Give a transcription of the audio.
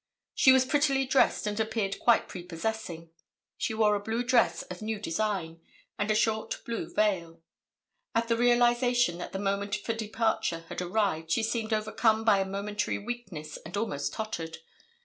She was prettily dressed and appeared quite prepossessing. She wore a blue dress of new design, and a short blue veil. At the realization that the moment for departure had arrived she seemed overcome by a momentary weakness and almost tottered.